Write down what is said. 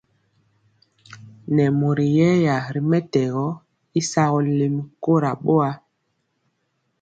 Nɛ mori yɛya ri mɛtɛgɔ y sagɔ lɛmi kora boa.